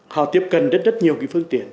họ tiếp cận rất rất nhiều cái phương tiện